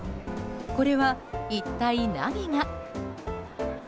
これは、一体何が。